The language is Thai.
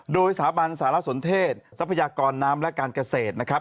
โดยสถาบันสารสนเทศทรัพยากรน้ำและการเกษตรนะครับ